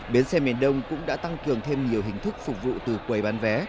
bến xe miền đông cũng đã tăng cường thêm nhiều hình thức phục vụ từ quầy bán vé